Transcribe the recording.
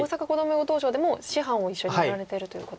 囲碁道場でも師範を一緒にやられてるということで。